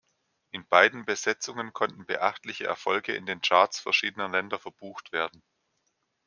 In beiden Besetzungen konnten beachtliche Erfolge in den Charts verschiedener Länder verbucht werden.